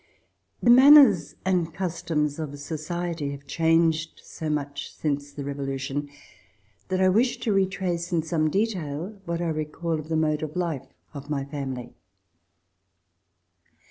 The manners and customs of society have changed so much since the Revolution that I wish to retrace in some detail what I recall of the mode of life of my family.